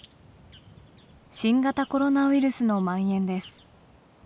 新型コロナウイルスのまん延です。